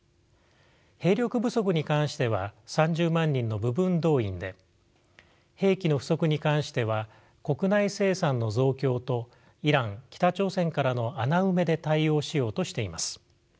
兵力不足に関しては３０万人の部分動員で兵器の不足に関しては国内生産の増強とイラン北朝鮮からの穴埋めで対応しようとしています。